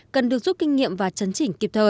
cần được giúp kinh nghiệm và chấn chỉnh kịp thời